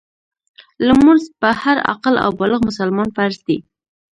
لمونځ په هر عاقل او بالغ مسلمان فرض دی .